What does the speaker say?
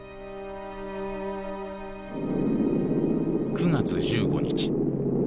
９月１５日。